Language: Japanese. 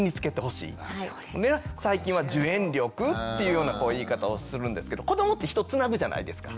最近は「受援力」っていうような言い方をするんですけど子どもって人つなぐじゃないですか。